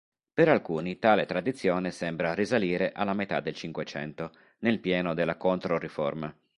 Per alcuni tale tradizione sembra risalire alla metà del Cinquecento, nel pieno della Controriforma.